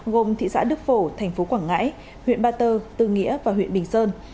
gồm thị xã đức phổ thành phố quảng ngãi huyện ba tơ tư nghĩa và huyện bình sơn